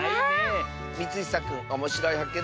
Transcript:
みつひさくんおもしろいはっけん